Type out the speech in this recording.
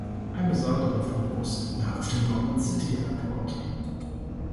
Ein besonderer Fokus lag auf dem London City Airport.